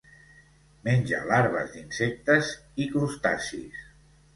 Menja larves d'insectes i crustacis.